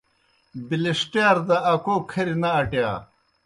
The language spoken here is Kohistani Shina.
بِلِݜٹِیار دہ اکوْ کھری نہ اٹِیا۔